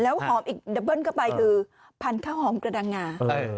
หอมอีกดับเบิ้ลเข้าไปคือพันธุ์ข้าวหอมกระดังงา